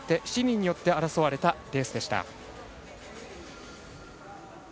７人によって争われたレースでした。